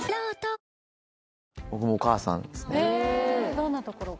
どんなところが？